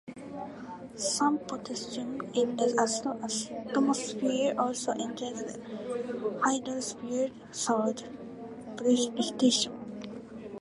Some potassium in the atmosphere also enters the hydrosphere through precipitation.